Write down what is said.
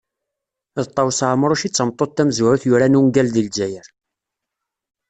D Ṭawes Ɛemruc i tameṭṭut tamezwarut yuran ungal deg Lezzayer.